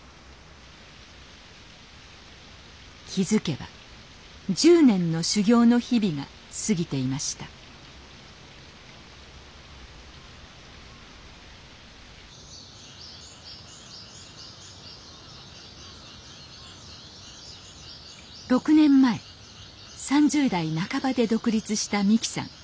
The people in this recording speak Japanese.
気付けば１０年の修業の日々が過ぎていました６年前３０代半ばで独立した美紀さん。